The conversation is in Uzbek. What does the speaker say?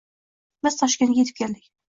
Biz Toshkentga yetib keldik.